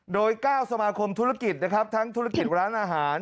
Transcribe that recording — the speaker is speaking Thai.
โดย๙สมาคมธุรกิจนะครับทั้งธุรกิจร้านอาหาร